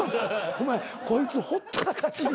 お前こいつほったらかし。